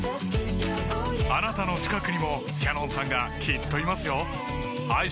あなたの近くにもＣａｎｏｎさんがきっといますよ